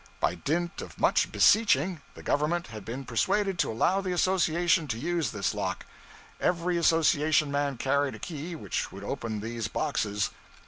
By dint of much beseeching the government had been persuaded to allow the association to use this lock. Every association man carried a key which would open these boxes.